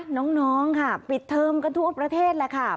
น้องค่ะปิดเทอมกันทั่วประเทศแหละค่ะ